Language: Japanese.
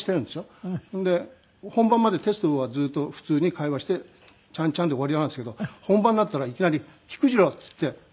それで本番までテストはずっと普通に会話してチャンチャンで終わりなんですけど本番になったらいきなり「菊次郎！」っつって。